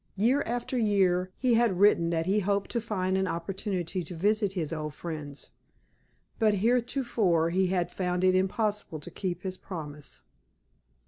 Year after year he had written that he hoped to find an opportunity to visit his old friends; but heretofore he had found it impossible to keep his promise.